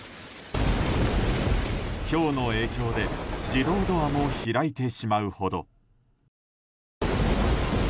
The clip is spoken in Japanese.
ひょうの影響で自動ドアも開いてしまうほど。